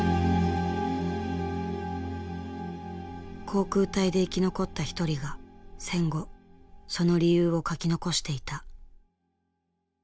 航空隊で生き残った一人が戦後その理由を書き残していた。